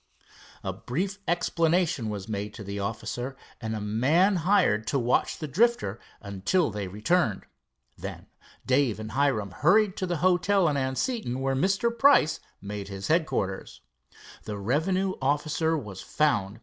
A brief explanation was made to the officer, and a man hired to watch the Drifter until they returned. Then Dave and Hiram hurried to the hotel in Anseton where Mr. Price made his headquarters. The revenue officer was found.